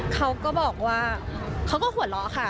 เขาก็บอกว่าเขาก็หัวเราะค่ะ